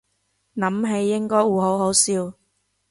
諗起應該會好好笑